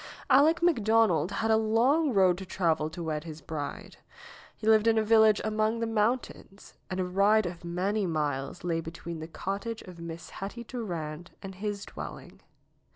Aleck McDonald had a long road to travel to wed his bride. He lived in a village among the mountains, and a ride of many miles lay between the cottage of Miss Hetty Durand and his dwelling.